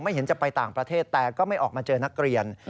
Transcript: เห็นจะไปต่างประเทศแต่ก็ไม่ออกมาเจอนักเรียน